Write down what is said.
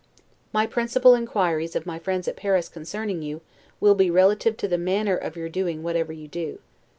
My principal inquiries of my friends at Paris, concerning you, will be relative to your manner of doing whatever you do.